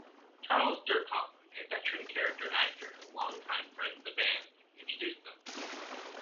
Charles Dierkop, a veteran character actor and longtime friend of the band, introduced them.